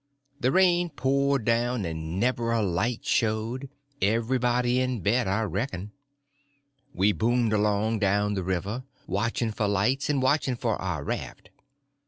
The rain poured down, and never a light showed; everybody in bed, I reckon. We boomed along down the river, watching for lights and watching for our raft.